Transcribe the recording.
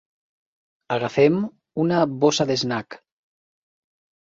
Agafem una bossa d'snack.